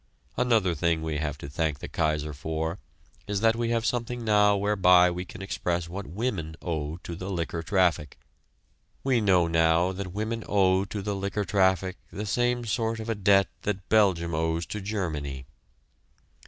Another thing we have to thank the Kaiser for is that we have something now whereby we can express what women owe to the liquor traffic. We know now that women owe to the liquor traffic the same sort of a debt that Belgium owes to Germany.